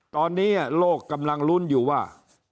ตอนนี้โลกกำลังลุ้นอยู่ว่า